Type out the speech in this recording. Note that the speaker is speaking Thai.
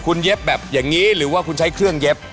คุณเย็บแบบอย่างนี้หรือว่าคุณใช้เครื่องเย็บ